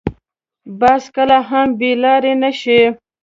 باز کله هم بې لارې نه شي